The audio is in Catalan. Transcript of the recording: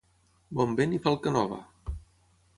Bon vent i falca nova!